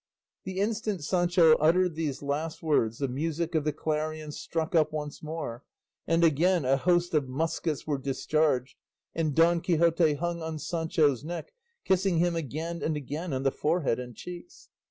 The instant Sancho uttered these last words the music of the clarions struck up once more, and again a host of muskets were discharged, and Don Quixote hung on Sancho's neck kissing him again and again on the forehead and cheeks.